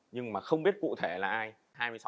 nhưng mà không biết cụ thể là ai